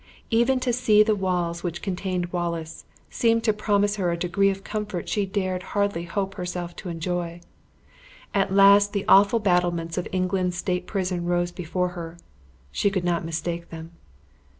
Even to see the walls which contained Wallace, seemed to promise her a degree of comfort she dared hardly hope herself to enjoy. At last the awful battlements of England's state prison rose before her. She could not mistake them.